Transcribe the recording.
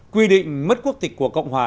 quy định mất quốc tịch của cộng hòa